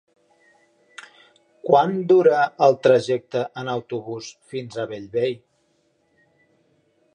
Quant dura el trajecte en autobús fins a Bellvei?